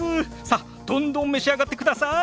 さっどんどん召し上がってください！